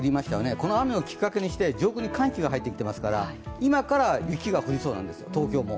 この雨をきっかけにして上空に寒気が入ってきていますから、今から東京も雪が降りそうなんですよ。